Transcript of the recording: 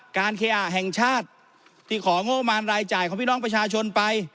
การเคลียร์แห่งชาติที่ของโง่มารรายจ่ายของพี่น้องประชาชนไป